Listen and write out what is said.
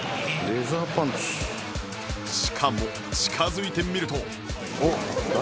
しかも近づいてみると